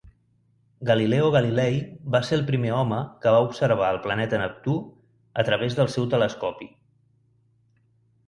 Galileo Galilei va ser el primer home que va observar el planeta Neptú a través del seu telescopi.